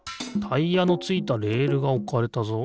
タイヤのついたレールがおかれたぞ。